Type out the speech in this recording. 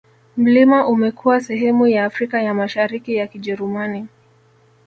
Mlima umekuwa sehemu ya Afrika ya Mashariki ya Kijerumani